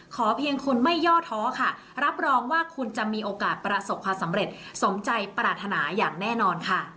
เพียงคุณไม่ย่อท้อค่ะรับรองว่าคุณจะมีโอกาสประสบความสำเร็จสมใจปรารถนาอย่างแน่นอนค่ะ